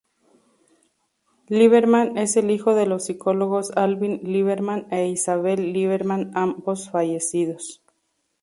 Liberman es el hijo de los psicólogos Alvin Liberman e Isabelle Liberman, ambos fallecidos.